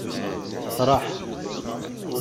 Tefṛeḥ.